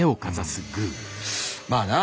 まあな